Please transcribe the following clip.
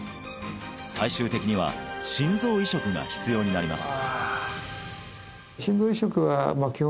最終的には心臓移植が必要になります